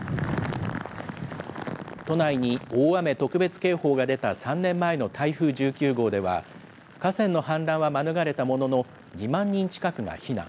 都内に大雨特別警報が出た３年前の台風１９号では、河川の氾濫は免れたものの、２万人近くが避難。